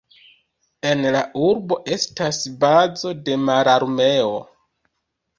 En la urbo estas bazo de Mararmeo.